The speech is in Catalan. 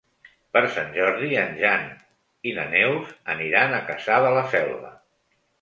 Per Sant Jordi en Jan i na Neus aniran a Cassà de la Selva.